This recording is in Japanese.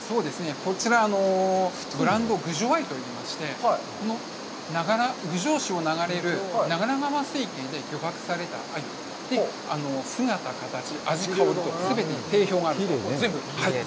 こちら、ブランド、郡上鮎といいまして、この郡上市を流れる長良川水系で漁獲されたアユで、姿形、味・香りと全て定評があります。